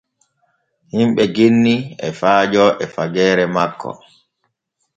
Himɓe genni e faajo e fageere makko.